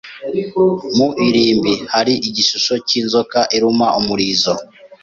Mu irimbi, hari igishusho cy'inzoka iruma umurizo.